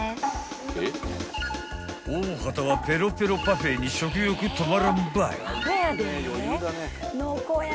［大畑はペロペロパフェに食欲止まらんばい］